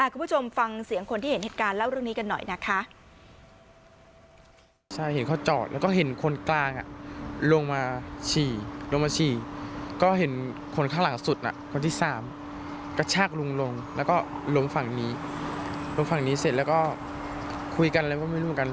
คุณผู้ชมฟังเสียงคนที่เห็นเหตุการณ์เล่าเรื่องนี้กันหน่อยนะคะ